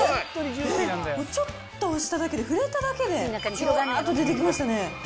これ、ちょっと押しただけで、触れただけで、じゅわーっと出てきましたね。